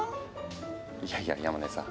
いやいや山根さん